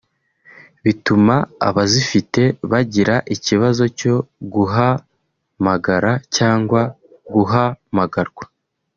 bituma abazifite bagira ikibazo cyo guhamagara cyangwa guhamagarwa